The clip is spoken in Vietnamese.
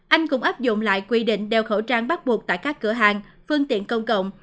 anh cũng áp dụng lại quy định đeo khẩu trang bắt buộc tại các cửa hàng phương tiện công cộng